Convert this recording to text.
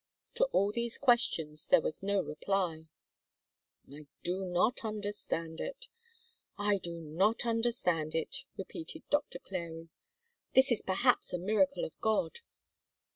To all these questions there was no reply. "I do not understand it, I do not understand it," repeated Doctor Clary; "this is perhaps a miracle of God."